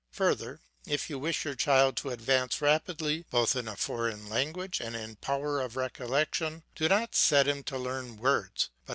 Fur ther, if you wish your child to advance rapidly, both in a foreign language and in power of recollection, do not set him to learn words, but.